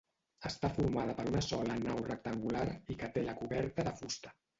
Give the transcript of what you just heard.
Està formada per una sola nau rectangular i que té la coberta de fusta.